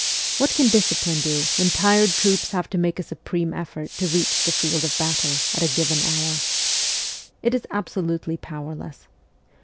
What can discipline do when tired troops have to make a supreme effort to reach the field of battle at a given hour? It is absolutely powerless.